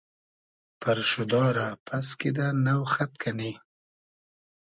پئرشودا رۂ پئس کیدۂ نۆ خئد کئنی